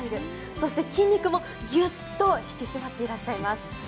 そして筋肉もギュッと引き締まっていらっしゃいます。